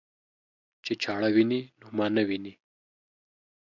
چې چاړه ويني نو ما نه ويني.